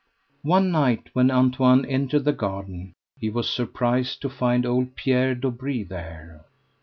One night, when Antoine entered the garden, he was surprised to find old Pierre Dobree there.